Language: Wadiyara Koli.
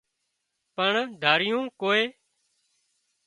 پڻ ڌاريون ڪوئي